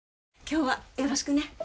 今日はよろしくね。